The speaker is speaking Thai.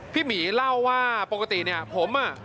หมีเล่าว่าปกติเนี่ยผมอ่ะ